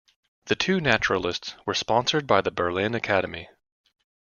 The two naturalists were sponsored by the Berlin Academy.